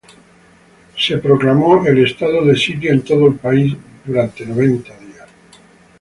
Se proclamó el estado de sitio en todo el país, por noventa días.